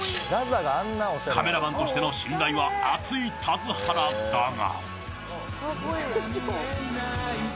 カメラマンとしての信頼は厚い田津原だが。